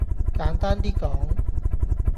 簡單啲講